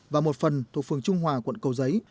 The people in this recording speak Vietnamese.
và một phần thuộc phường trung hòa quận cầu giấy